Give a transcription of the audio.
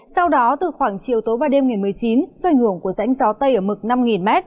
sau đó từ khoảng chiều tối và đêm ngày một mươi chín do ảnh hưởng của rãnh gió tây ở mực năm m